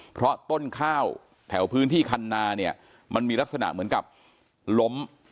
เพราะต้นข้าวแถวพื้นที่คันนาเนี่ยมันมีลักษณะเหมือนกับล้ม